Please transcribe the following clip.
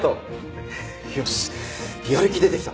よしやる気出てきた。